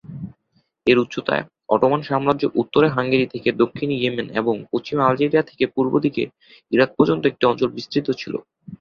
এর উচ্চতায়, অটোমান সাম্রাজ্য উত্তরের হাঙ্গেরি থেকে দক্ষিণে ইয়েমেন এবং পশ্চিমে আলজেরিয়া থেকে পূর্বদিকে ইরাক পর্যন্ত একটি অঞ্চল বিস্তৃত ছিল।